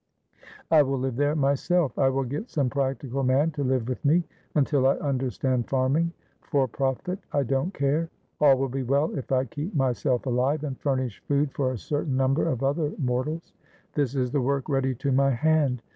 "I will live there myself. I will get some practical man to live with me, until I understand farming. For profit, I don't care; all will be well if I keep myself alive and furnish food for a certain number of other mortals. This is the work ready to my hand.